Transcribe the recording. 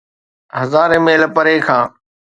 هزارين ميل پري کان.